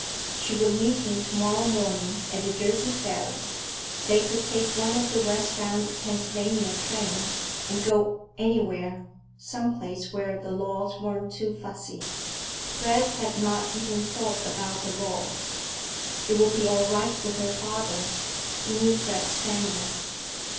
She would meet him to morrow morning at the Jersey ferry. They could take one of the west bound Pennsylvania trains and go—anywhere, some place where the laws weren't too fussy.—Fred had not even thought about the laws!—It would be all right with her father; he knew Fred's family.